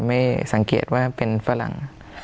ไม่สังเกตว่าเป็นฝรั่ง